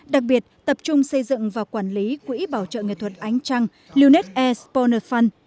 đặc biệt tập trung xây dựng và quản lý quỹ bảo trợ nghệ thuật ánh trăng lunet air spawner fund